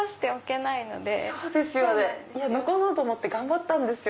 残そうと思って頑張ったんですよ